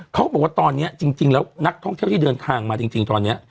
เขาบอกว่าตอนนี้จริงแล้วนักท่องเที่ยวที่เดินทางมาจริงตอนนี้